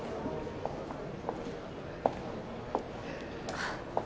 あっ。